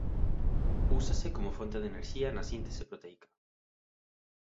Úsase como fonte de enerxía na síntese proteica.